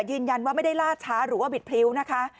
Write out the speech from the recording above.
ยืนยันว่าไม่ได้ล่าช้าหรือว่าบิดพริ้วนะคะ